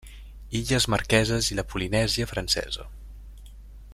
Illes Marqueses i la Polinèsia Francesa.